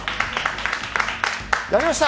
やりました！